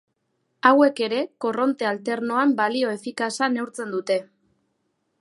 Hauek ere korronte alternoan balio efikaza neurtzen dute.